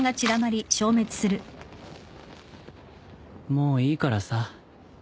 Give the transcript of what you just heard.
もういいからさ。